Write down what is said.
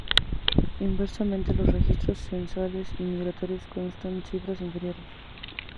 Inversamente, los registros censales y migratorios constatan cifras inferiores.